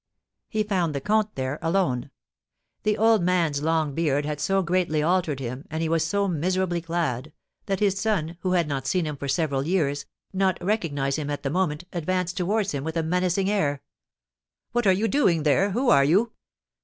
He found the comte there alone. The old man's long beard had so greatly altered him, and he was so miserably clad, that his son, who had not seen him for several years, not recognising him at the moment, advanced towards him with a menacing air. "What are you doing there? Who are you?"